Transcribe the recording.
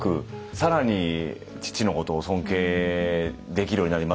更に父のことを尊敬できるようになりましたね今日。